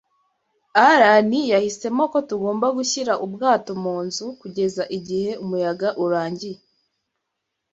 Alain yahisemo ko tugomba gushyira ubwato mu nzu kugeza igihe umuyaga urangiye.